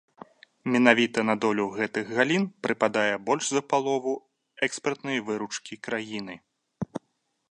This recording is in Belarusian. Менавіта на долю гэтых галін прыпадае больш за палову экспартнай выручкі краіны.